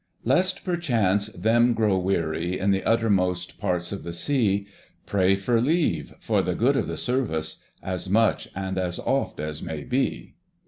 *"... Lest perchance them grow weary In the uttermost parts of the Sea, Pray for leave, for the good of the Service, As much and as oft as may be."